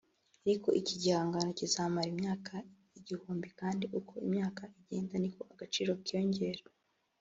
ariko iki gihangano kizamara imyaka igihumbi kandi uko imyaka igenda ni ko agaciro kiyongera